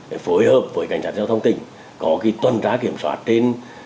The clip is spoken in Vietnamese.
để phối hợp với cảnh sát giao thông tỉnh có toàn trá kiểm soát trên